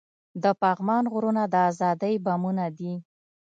د پغمان غرونه د ازادۍ بامونه دي.